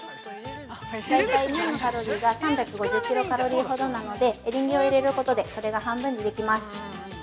◆大体、麺のカロリーが３５０キロカロリーほどなのでエリンギを入れることでそれが半分にできます。